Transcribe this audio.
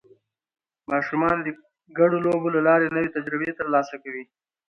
ماشومان د ګډو لوبو له لارې نوې تجربې ترلاسه کوي